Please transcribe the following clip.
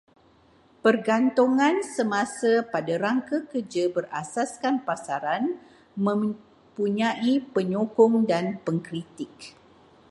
Pergantungan semasa pada rangka kerja berasaskan pasaran mempunyai penyokong dan pengkritik